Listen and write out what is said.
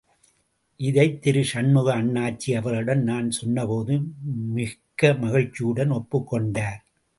இதை திரு சண்முக அண்ணாச்சி அவர்களிடம் நான் சொன்னபோது மிக்க மகிழ்ச்சியுடன் ஒப்புக் கொண்டார்.